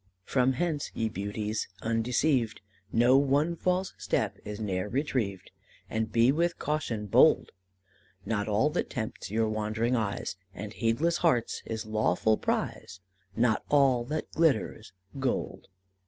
"From hence, ye beauties, undeceived, Know one false step is ne'er retrieved, And be with caution bold Not all that tempts your wandering eyes And heedless hearts is lawful prize Not all that glitters gold."